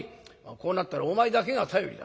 こうなったらお前だけが頼りだ。